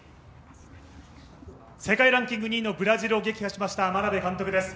世界ランキング２位のブラジルを撃破しました眞鍋監督です。